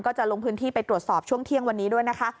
จะลงพื้นที่ไปตรวจสอบช่วงเที่ยงวันนี้ด้วยนะคะ